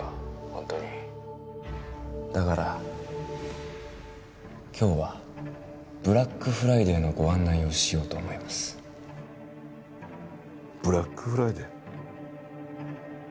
ホントにだから今日はブラックフライデーのご案内をしようと思いますブラックフライデー？